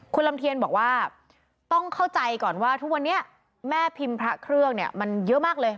คุณลำเทียนบอกว่าต้องเข้าใจก่อนว่าทุกวันนี้แม่พิมพ์พระเครื่องเนี่ยมันเยอะมากเลย